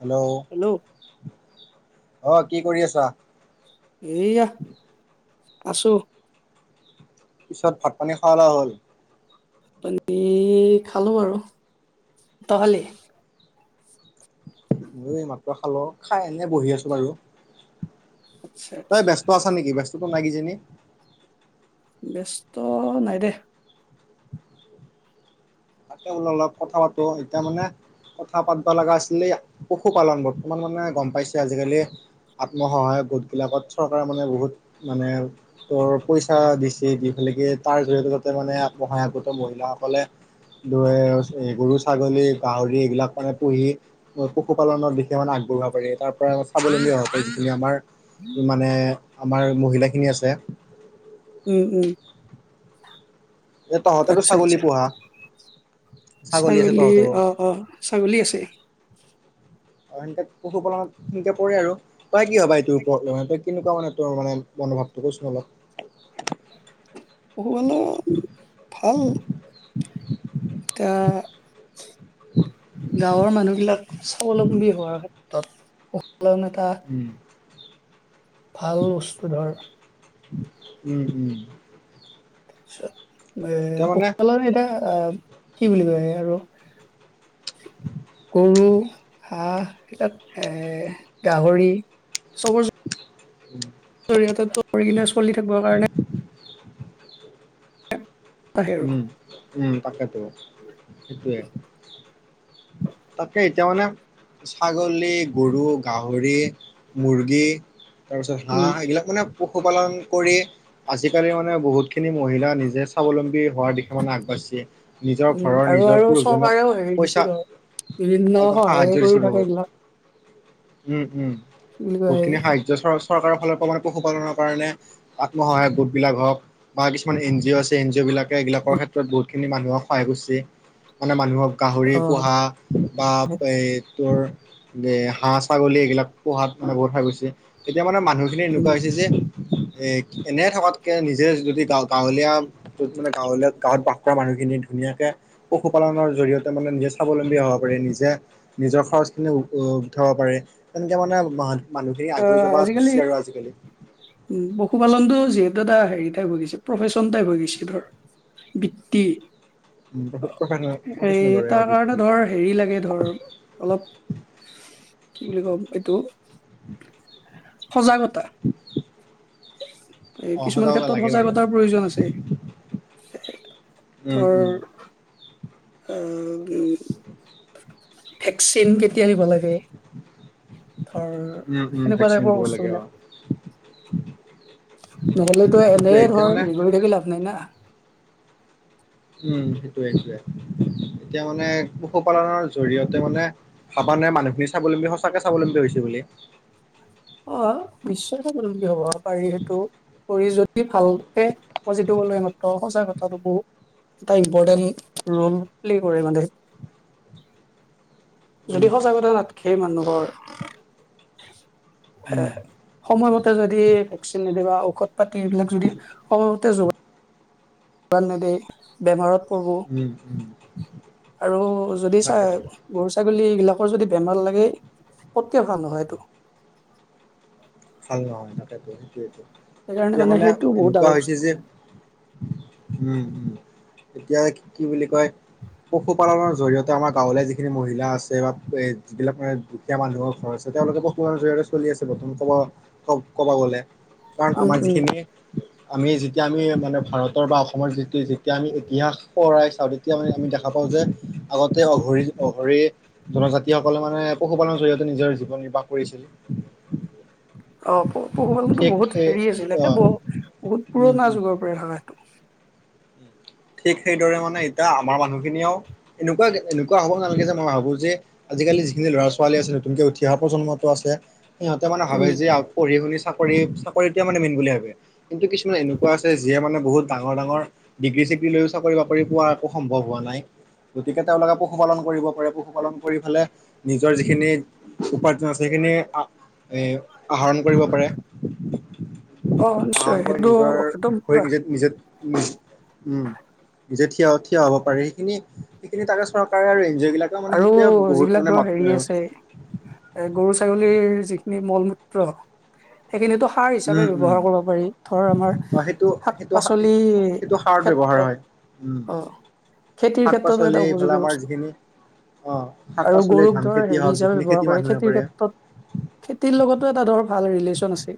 Hello. অ কি কৰি আছা? এয়া, আছো। পিছত ভাত পানী খাৱা লাৱা হল? পানী খালো আৰু, ত‌ই খালি? ময়ো এই মাত্ৰ খালো খাই এনেই বহি আছো বাৰু [unintelligible] আচ্ছা তই আচ্ছা ব্যস্ত আছা নেকি ব্যস্ত নাই কিজানি? ব্যস্ত নাই দে। তাকে বোলো অলপ কথা পাতো এতিয়া মানে। কথা পাতিব লগা আছিলে পশুপালন বৰ্তমান মানে গম পাইছে আজিকালি। আত্ম সহায়ক গোটবিলাকত চৰকাৰে মানে বহুত মানে তৰ পইচা দিছে দি পেল। গতিকে তাৰ জৰিয়তে মানে আত্মসহায়ক গোটবিলাকৰ মহিলাসকলে। গৰু, ছাগলী, গাহৰি এইবিলাক মানে পুহি পশুপালন বিষয়ে মানে। আগবঢ়াব পাৰি তাৰ পৰা সাৱলম্বী হব পাৰে যিখিনি আমাৰ। মানে আমাৰ মহিলাখিনি আছে। উম [inaudible] এ তহঁতেতো আচ্ছা ছাগলী আচ্ছা পোহা। আছে ছাগলী তহঁতৰো আহ-আহ ছাগলী আছে। অ সেনেকে পশুপালনত সেনকে পৰে আৰু তই কি হবা এইটোৰ ওপৰত। কেনেকুৱা মানে তোৰ মানে মনোভাৱটো কচোন অলপ। পোহো মানে ভাল এতিয়া। [inaudible] গাঁৱৰ মানুহবিলাক স্বাৱলম্বী হোৱাৰ ক্ষেত্ৰত। [unintelligible] ক্ল ন এটা উম [unintelligible] ভাল বস্তু ধৰ। উম উম। এ এতিয়া মানে পশুপালনৰ এটা। আহ কি বুলি কয় আৰু গৰু, হাঁহ এৰ গাহৰি। চবৰ। উম চবৰ জৰিয়তে তৰ কিনা চলি থাকিব কাৰণে। আহে আৰু উম-উম তাকটো সেইটোৱে। তাকে এতিয়া মানে। ছাগলী, গৰু, গাহৰি, মুৰ্গী‌। তাৰ পিছত উম হাঁহ এইবিলাক। পশুপালন কৰি আজিকালি মানে বহুতখিনি মহিলা নিজে স্বাৱলম্বী। হোৱাৰ দিশে মানে আগবাঢ়িছে নিজৰ উম ঘৰৰ আৰু নিজৰ আৰু পুৰুষজনক চৰকাৰেও হেৰি দিছে পইচা। ধৰ বিভিন্ন সহায়ে সাহায্য কৰি দিছে থাকে বহুত। এইবিলাক উম-উম কি বুলি কয় বহুতখিনি সাহায্য চৰ্চা চৰকাৰৰ ফালৰ পৰা মানে পশুপালনৰ কাৰণে [unintelligible] আত্মসহায়ক গোটবিলাক হওক বা কিছুমান এন জি অ' আছে এন জিঅ' বিলাক এইবিলাকৰ ক্ষেত্ৰত বহুতখিনি মানুহ সহায় কৰিছে মানে মানুহক গাহৰি অ পোহা বা এ তোৰ এ হাঁহ, ছাগলী এইবিলাক পোহাত মানে বহুত ভাল হৈছে এতিয়া মানে মানুহখিনি এনেকুৱা উম হৈছে যে এ এনে থকাতকে নিজে যদি গা গাঁৱলীয়া মানে গাঁৱলে গাঁৱত বাস কৰা মানুহখিনি ধুনীয়াকে পশুপালনৰ জৰিয়তে মানে নিজে স্বাৱলম্বী হ'ব পাৰে নিজে যে নিজে নিজৰ খৰচখিনি উঠব পাৰে তেনেকৈ মানে মানুহখিনি অ আগুৱাই যাব আজিকালি ধৰিছে আৰু আজিকালি উ পশুপালনতটো যিহেতু এটা হেৰি টাইপ হৈ গৈছে প্ৰফেশচন টাইপ হৈ গৈছে ধৰ বৃত্তি উ [unintelligible] এ তাৰ কাৰণে ধৰ হেৰি লাগে ধৰ অলপ কি বুলি কম এইটো সজাগতা এ অ কিছুমান সজাগতা ক্ষেত্ৰত লাগে বাৰু সজাগতাৰ প্ৰয়োজন আছে। উম উম ধৰ ভেকচিন কেতিয়া দিব লাগে। ধৰ উম উম সেনেকুৱা ভেকচিন টাইপৰ দিব লাগে অ বস্তুবিলাক। নেহলেটো সেইটোয়ে এনেই এতিয়া ধৰ মানে হেৰি কৰি থাকি লাভ নাই না। উম সেইটোয়ে সেইটোৱে এতিয়া মানে পশুপালনৰ জৰিয়তে মানে ভাবা নাই মানুহখিনি স্বাৱলম্বী সঁচাকে স্বাৱলম্বী হৈছে বুলি। অ [unintelligible] কি হব। [unintelligible] ভালকে [unintelligible] সঁচা কথাটো বহুত এটা ইম্পৰ্টেণ্ট ৰোল প্লে কৰে মানে। [inaudible] যদি উম সজাগতা নাথাকে মানুহৰ উম সময়মতে যদি ভেকচিন নিদিবা পাতি এইবিলাক যদি সময় মতে [unintelligible] বেমাৰত কৰ উম উম আৰু যদি চাই তাকেতো গৰু ছাগলী এইবিলাক আৰু যদি বেমাৰ লাগে পতকে ভাল নহয় এইটো ভাল নহয় তাতে [unintelligible] সেইকাৰণে এতিয়া মানে সেইটো বহুত এনেকুৱা ডাঙৰ হৈছে বস্তু যে উম উম এতিয়া কি বুলি কয় পশুপালনৰ জৰিয়তে আমাৰ গাঁৱলীয়া যিখিনি মহিলা আছে বা এ যিবিলাক মানে দুখীয়া মানুহৰ ঘৰ আছে তেওঁলোকে পশুপালনৰ জৰিয়তে চলি আছে [unintelligible] ক'ব গ'লে কাৰণ উম, আমাৰ উম, যিখিনি আমি যেতিয়া আমি মানে ভাৰতৰ বা অসমৰ যি যেতিয়া আমি ইতিহাস ফুৰাই চাওঁ তেতিয়া মানে আমি দেখা পাওঁ যে আগতে অঘৰি অঘৰি জনজাতিসকলে মানে পশুপালনৰ জৰিয়তে নিজৰ জীৱন নিৰ্বাহ কৰিছিল। অ প পশুপালনতো ঠিক বহুত সেই হেৰি আছিলে অ বহ বহুত উম পুৰণা উম যুগৰ পৰা হয়। [unintelligible] ঠিক সেইদৰে মানে এতিয়া আমাৰ মানুহখিনিয়েও এনেকুৱা এনেকুৱা হ'ব নালাগে যে মই ভাবো যে আজিকালি যিখিনি ল'ৰা-ছোৱালী আ নতুনকৈ উঠি অহ প্ৰজন্মটো আছে সিহঁতে মানে ভাবে উম। যে পঢ়ি শুনি চাকৰি চাকৰিটোৱে মানে মেইন বুলি ভাবে কিন্তু কিছুমান এনেকুৱা আছে যিয়ে মান বহুত ডাঙৰ ডাঙৰ ডিগ্ৰী লৈও চাকৰি বাকৰি পোৱা একো সম্ভৱ হোৱা নাই গতিকে তেওঁলোকে পশুপালন কৰিব পাৰে পশুপালন কৰি ফালে নিজৰ যিখিনি উপাৰ্জন আছে সেইখিন আহৰণ কৰিব পাৰে। অ আহৰণ নিশ্চয় কৰি সেইটো নিজৰ একদম শৰীৰ পুৰা নিজ নিজে উ উম নিজে থিয় থিয় হ'ব পাৰে সেইখিনি সেইখিনি তাকে চৰকাৰে আৰু জি অ' বিলাকে মানে আৰু সেইটোৱে বহুত যিবিলাক মানে ধৰ মাত হেৰি আছে এ গৰু ছাগলীৰ যিখিনি মলমূত্ৰ সেইখিনিতো সাৰ উম হিচাপে উম বব্যৱহাৰ কৰিব পাৰি ধৰ আমাৰ সেইটো শাক সেইটো পাচলি সেইটো সাৰত ক্ষে ব্যৱহাৰ খেতিৰ শাক ক্ষেত্ৰতো পাচলি এটা এইফালে উপযোগী আমাৰ বস্তু যিখিনি অ শাক আৰু পাচলি গৰুক ধান ধৰ খেতি হেৰি হওক হিচাপে যিখিনি ব্যৱহাৰ খেতি মানুহে খেতিৰ কৰে ক্ষেত্ৰত খেতিৰ লগতো এটা ধৰ ভাল ৰিলেশ্যন আছে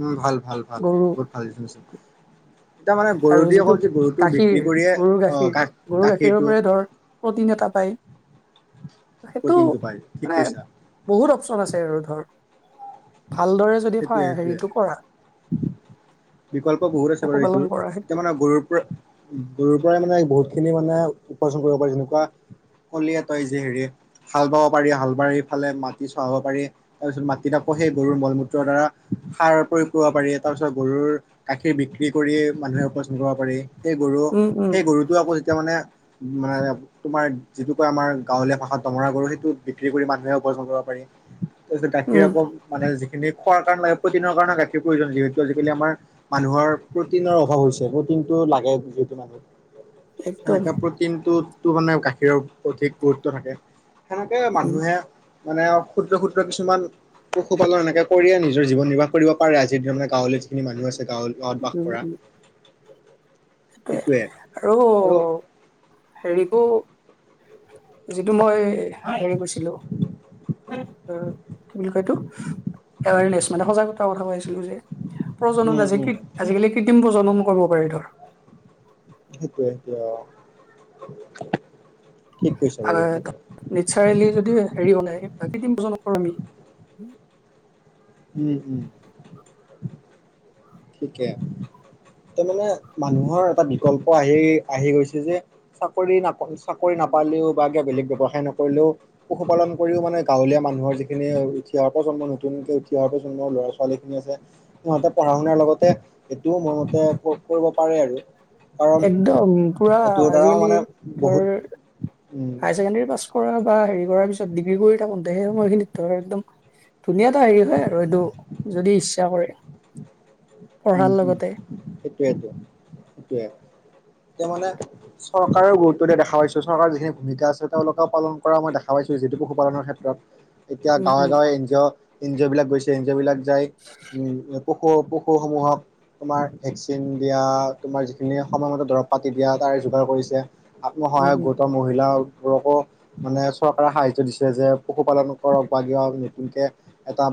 উম ভাল ভাল ভাল গৰু বহুত ভাল টাৰ মানে গৰু আৰু দি যিটো অকল যে গৰুটো গাখীৰ বিক্ৰী কৰিয়ে গৰুৰ আহ গা গাখীৰটো প্ৰতিন এটা পায় সেইটো প্ৰটিনটো পায় ঠিক মানে কৈছা বহুত অপচন আছে আৰু ধৰ ভালদৰে যদি সেইটোয়ে ফা- সেইটোয়ে হেৰিটো কৰা বিকল্প বহুত আছে ব এইটো পশুপালন কৰা এতিয়া সেইটো মানে গৰুৰ পৰা উ গুৰুৰ পৰাই মানে বহুত খিনি মানে উপাৰ্জন কৰিব পাৰি যেনেকুৱা কলিয়ে তই যে হেৰি হাল বাব পাৰি হাল বাৰি ফালে মাটি চহাব পাৰি তাৰপিছত মাটি ত সেই গৰুৰ মল মূত্ৰৰ দ্বাৰা সাৰ প্ৰয়োগ কৰিব পাৰি তাৰ পিছত গৰুৰ গাখীৰ বিক্ৰী কৰি মানুহে উপাৰ্জন কৰিব পাৰি সেই গৰু উম উম সেই গৰুটো আকৌ যেতিয়া মানে মানে তোমাৰ যিটোকে আমাৰ গাঁৱলীয়া ভাষাত দমৰা গৰু সেইটো বিক্ৰী কৰি মানুহে উপাৰ্জন কৰিব পাৰি তাৰপিছত গাখীৰ উম আকৌ মানে যিখিনি খোৱাৰ কাৰ প্ৰটিনৰ কাৰণে গাখীৰ প্ৰয়োজন যিহেতু আজিকালি আমাৰ মানুহৰ প্ৰটিনৰ অভাৱ হৈছে আগ দিনটো লাগে যিহেতু মানুত একদম সেনেককা প্ৰটিনটো মানে গাখীৰৰ অধিক গুৰুত্ব থাকে সেনেকে উম মানুহে মানে ক্ষুদ্ৰ ক্ষুদ্ৰ কিছুমান পশুপালন এনেকে কৰিয় নিজৰ জীৱন নিবাহ কৰিব পাৰে আজিৰ মানে গাঁৱলীয়া যিখিনি মানুহ আছে গাঁৱত গাঁৱত বাস উম কৰা উম সেইটোৱে আৰু হেৰিবোৰ যিটো মই হেৰি কৰিছিলো। কি বুলি কয় এইটো এৱৰনেছ মানে সজাগতাৰ কথা কৈছো যে প্ৰজনন উম আছে উম আজিকালি কৃত্ৰিম প্ৰজনন কৰিব পাৰি ধৰ সেইটোয়ে এতিয়া। আহ নিচাৰেলি যদি হেৰি বাই কেইদিন বজ নকৰো আমি হম উম হম ঠিকে ত মানে মানুহৰ এটা বিকল্প আহি আহি গৈছে যে চাকৰি নাপ চাকৰি ন নাপালেও বা কিয় বেলেগ ব্যৱহাই নকৰিলেও পশুপালন কৰিও মানে গাঁৱলীয়া মানুহৰ যিখিনিতি ই নতুনকৈ উঠ অহাৰ প্ৰজন্মৰ ল'ৰা ছোৱালী খিনি যে সিহঁতৰ পঢ়া-শুনা আপোনাৰ লগতে এইটোও মোৰমতে কৰিব পাৰে আৰু কাৰণ একদম পুৰা এইটোৰ দ্বাৰাও আজিকালি মানে ধৰ বহুত উম হায়াৰ ছেকেণ্ডৰী পাছ কৰা বা হেৰি কৰাৰ পিছত ডিগ্ৰী কৰি থাকোঁতে সেই সময়খিনিত ধৰ একদম ধুনীয়া এটা হেৰি হয় আৰু এইটো যদি ইচ্ছা কৰে উম পঢ়াৰ উম লগতে সেইটোয়েটো সেইটোয়ে এয়া মানে চৰকাৰৰ গুৰুত্ব দিয়া দেখা পাইছো চৰকাৰৰ যিখিনি ভূমিকা আছে তেওঁলোকে পালন কৰা মই দেখা পাইছো যিটো পশুপালনৰ ক্ষেত্ৰত এতিয়া উম, গাঁৱে উম, গাঁৱে N G O N G O বিলাক গৈছে এন জি অ' বিলাক যায় উ পু সমূহত তোমাৰ ভেকচিন দিয়া তুমাৰ যিখিনি সময়মতে দৰব পাতি দিয়া তাৰ যোগাৰ কৰিছে উম, আত্মসহায়ক উম, গোটৰ মহিলা [unintelligible] মানে চৰকাৰে সাহাৰ্য দিছে যে পশুপালন কৰক বা কিয় নতুনকে এটা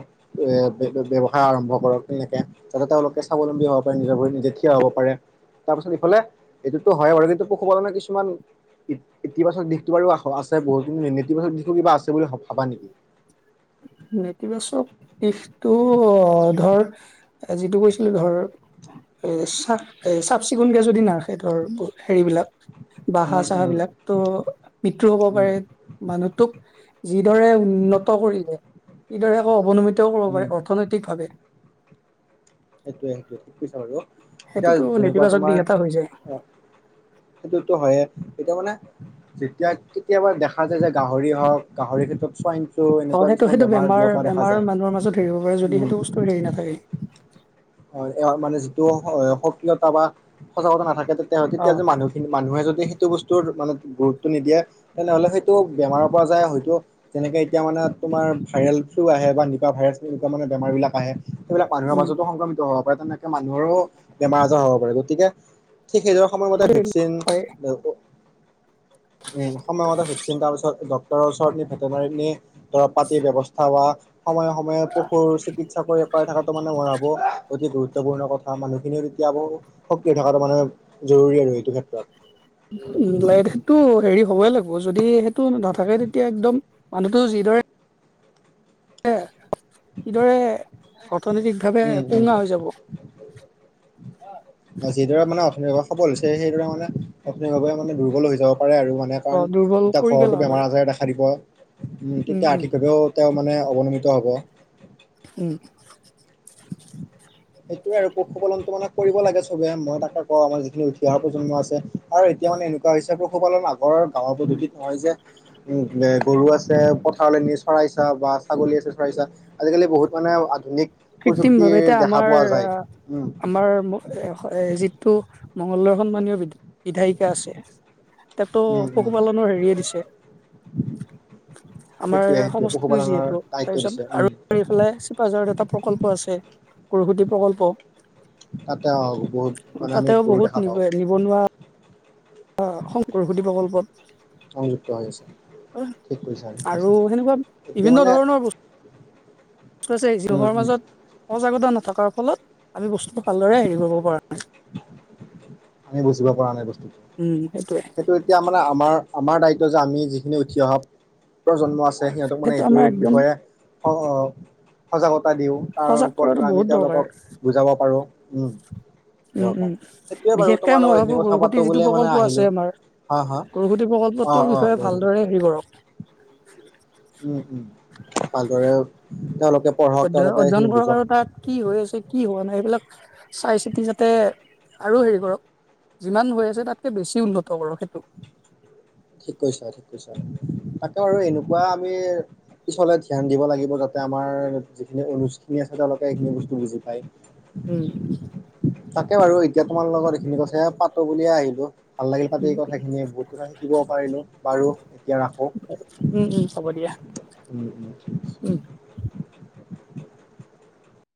এ ব্যৱসায় আৰম্ভ কৰক তেনেকে যাতে তেওঁলোকে স্বাৱলম্বী হব পাৰে নিজৰ ভৰিত নিজে থিয় হ'ব পাৰে। তাৰপিছত ইফালে এইটোতো হয় আৰু সেইটো পশুপালনৰ কিছুমান ই ইতিবাচক দিশটো বাৰু আছে বহুতদিন ইতিবাচক দিশটো কিবা আছে বুলি ভাবা নেকি নেতিবাচক দিশটো ধৰ যিটো কৈছিলো ধৰ এ চা এ চাফ চিকুণকে যদি নাৰাখে ধৰ হেইবিলাক বাহা উম চাহ উম বিলাকতো মৃত্যুৰ হব উম পাৰে মানুহটোক যিদৰে উন্নত কৰিলে ইদৰে আকৌ অৱনমিতও কৰিব উম পাৰে অৰ্থনৈতিক ভাৱে সেইটোৱে সেইটোৱে ঠিক কৈছা বাৰু এতিয়া সেইটোতো যেনেকুৱা নেতিবাচক দিশ তোমাৰ এটা হৈ যায়। সেইটোতো হয়ে এতিয়া মানে। যেতিয়া কেতিয়াবা দেখা যায় যে গাহৰি হওক গাহৰিৰ ক্ষেত্ৰত চ ত' অ এনেকুৱা সেইটো কিছুমান সেইটো বেমাৰ বিয়পা দেখা বেমাৰ যায় মানুহৰ মাজত হেৰি হ'ব পাৰে যদি সেইটো বস্তু হেৰি নাথাকে। উম অ এ মানে যিটো সক্ৰিয়তা বা সজাগতা নাথাকে তে অ তেতিয়া যে মানুহখিনি মানুহে যদি সেইটো বস্তুৰ মানে গুৰুত্ব নিদিয়ে তেনেহলে সেইটো বেমাৰৰ পৰা যায় হয়তো যেনেকে এতিয়া মানে তোমাৰ ভাইৰেল ফ্লু আহে বা নিবা ভাইৰাছ এনেকুৱা মানে বেমাৰবিলাক আহে সেইবিলাক মানুহৰ উম মাজতো সংক্ৰমিত হব পাৰে তেনেকে মানুহৰো বেমাৰ আজাৰ হব পাৰে গতিকে ঠিক নিজৰ সময়মতে ভেকচিন হয় উম সময়মতে ভেকচিন ডক্তৰৰ ওচৰত ভেটেনাৰী দৰৱ পাতিৰ ব্যৱস্থা কৰা সময়ে সময়ে পশুৰ চিকিৎসা কৰি পাৰ থকাতটো মানে মন হব অতি গুৰুত্বপূৰ্ণ কথা মানুহখিনিও তেতিয়া ব সক্ৰিয় থকাটো মানে জৰুৰী আৰু এইটো ক্ষেত্ৰত উল এই তো হ [inaudible] হ'বই লাগিব যদি সেইটো নাথাকে তেতিয়া একদম মানুহটো যিদৰে কিদৰে অৰ্থনৈতিকভাৱে উম উম পুঙা হৈ যাব। প সবল হৈছে সেইদৰে মানে আপুনিভাৱে মানে দুৰ্বল হৈ যাব। হয় আৰু মানে কাৰণ অ' দুৰ্বল তেতিয়া কৰি ঘৰটো পেলাব বেমাৰ পাৰি আজাৰে দেখা দিব উম, তেতিয়া উম, আৰ্থিকভাৱেও তেওঁ মানে অৱনমিত হ'ব উম, [unintelligible] সেইটোৱে আৰু পশুপালনটো মানে কৰিব লাগে চবে মই তাকে ক আমাৰ যিখিনি উঠি অহাৰ প্ৰজন্ম আছে আৰু এতিয়া মানে এনেকুৱা হৈছে পশুপালন আগৰ গাঁৱৰ পদ্ধতিত নহয় যে উম গৰু আছে পথাৰ চৰাই চা বা ছাগলী আছে চৰাইচা আজিকালি বহুত মানে আধুনিক কৃত্ৰিম ভাৱে প্ৰযুক্তিৰ দেখা আমাৰ পোৱা যায় আহ উম আমাৰ যিটো মঙগলদয় সন্মানীয় বিদুৎ বিধায়িকা আছে তাতো উম উম পশুপালনৰ হেৰিয়ে দিছে আমাৰ সেইটোৱে সেইটোৱে সমষ্টিও যিহেতু পশুপালনৰ দায়িত্ব তাৰপিছত দিছে আৰু উম এইফালে চিপাঝাৰত এটা প্ৰকল্প আছে কৰৰষূতি প্ৰকল্প তাতে অ বহুত মানে আমি তাতেও গৰু বহুত দেখা পাওঁ নিবনুৱা অ শংকৰসতি সংযুক্ত হৈ আছে প্ৰকল্পত ঠিক কৈছা ঠিক কৈছা আৰু সেনেকুৱা এতিয়া বিভিন্ন মানে ধৰণৰ বস্তু আছে উম যিহৰ উম মাজত সজাগতা নথকাৰ ফলত আমি বস্তু ভালদৰে হেৰি কৰিব পৰা নাই আমি বুজিব পৰা নাই বস্তুটো সেইটো এতিয়া মানে আমাৰ আমাৰ দায়িত্ব যে আমি যিখিনি উঠি অহা প্ৰজন্ম আছে সিহঁতক মানে সেইটো আমাৰ এইটোৰ একদম বিষয়ে সজাগতা দিওঁ তাৰ সজাগ ওপৰত কৰাটো আমি বহুত দৰকাৰ তেওঁলোকক বুজাব পাৰোঁ উম উম উম দৰকাৰ সেইটোয়ে বাৰু বিশেষকে তোমাৰ মই লগত এইখিনি ভাবো কথা পাতো বৰষুতিৰ যিটো বুলিয়ে মানে প্ৰকল্প আহিলো আছে আমাৰ হা হা বৰখুতি অ প্ৰকল্পটোৰ অ বিষয়ে ভালদৰে হেৰি কৰক [unintelligible] উম উম ভালদৰে তেওঁলোকে পঢ়ক অধ্য় তেওঁলোকে অধ্যয়ন সেইখিনি কৰক বুজক আৰু তাত কি হৈ আছে কি হোৱা নাই এইবিলাক চাই চিতি যাতে আৰু হেৰি কৰক যিমান হৈ আছে তাতকে বেছি উন্নত কৰক সেইটো ঠিক কৈছা ঠিক কৈছা তাকে বাৰু এনেকুৱা আমি পিছলে ধ্যান দিব লাগিব যাতে এ আমাৰ যিখিনি অনুজখিনি আছে তেওঁলোকে এইখিনি বস্তু বুজি পায় উম তাকে বাৰু এতিয়া তোমাৰ লগত এইখিনি কথা পাতো বুলিয়ে আহিলো ভাল লাগিল পাতে উম এই কথাখিনিয়ে বহুত কথা পাৰিলোঁ পাৰোঁ এতিয়া ৰাখোঁ উম হ'ব দিয়া উম উম ঠিক উম আছে